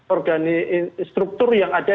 organi struktur yang ada